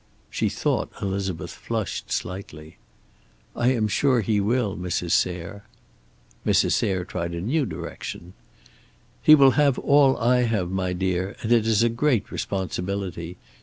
She thought Elizabeth flushed slightly. "I am sure he will, Mrs. Sayre." Mrs. Sayre tried a new direction. "He will have all I have, my dear, and it is a great responsibility.